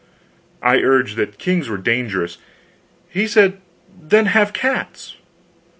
I urged that kings were dangerous. He said, then have cats.